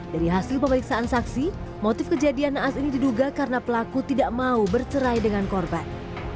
dari hasil pemeriksaan saksi motif kejadian naas ini diduga karena pelaku tidak mau bercerai dengan korban